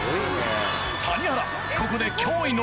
谷原